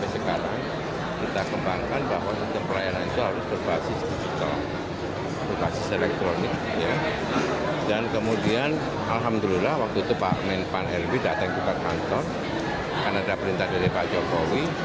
saya datang ke kantor karena ada perintah dari pak jokowi